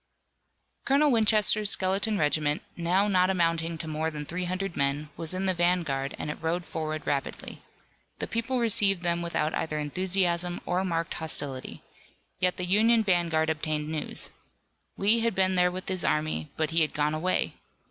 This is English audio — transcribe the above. Colonel Winchester's skeleton regiment, now not amounting to more than three hundred men, was in the vanguard and it rode forward rapidly. The people received them without either enthusiasm or marked hostility. Yet the Union vanguard obtained news. Lee had been there with his army, but he had gone away!